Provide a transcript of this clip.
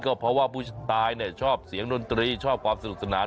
ก็เพราะว่าผู้ชายชอบเสียงดนตรีชอบความสนุกสนาน